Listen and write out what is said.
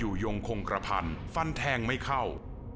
ยงคงกระพันธ์ฟันแทงไม่เข้า